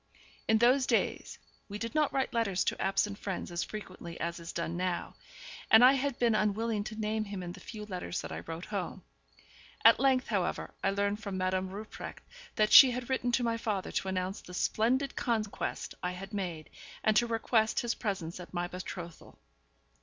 In those days we did not write letters to absent friends as frequently as is done now, and I had been unwilling to name him in the few letters that I wrote home. At length, however, I learned from Madame Rupprecht that she had written to my father to announce the splendid conquest I had made, and to request his presence at my betrothal.